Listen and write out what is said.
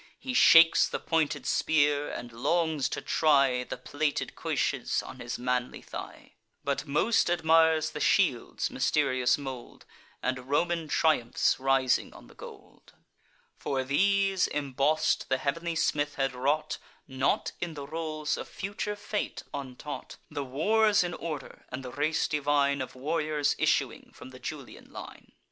He shakes the pointed spear, and longs to try The plated cuishes on his manly thigh; But most admires the shield's mysterious mould, And Roman triumphs rising on the gold: For these, emboss'd, the heav'nly smith had wrought (Not in the rolls of future fate untaught) The wars in order, and the race divine Of warriors issuing from the Julian line.